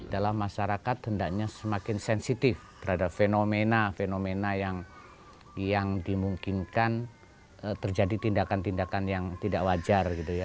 dalam masyarakat hendaknya semakin sensitif terhadap fenomena fenomena yang dimungkinkan terjadi tindakan tindakan yang tidak wajar gitu ya